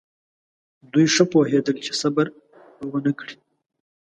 دوی ښه پوهېدل چې صبر به ونه کړي.